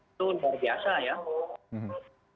itu luar biasa ya